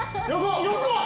横！